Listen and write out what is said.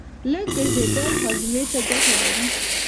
لږ ګرځېدل هاضمې ته ګټه لري.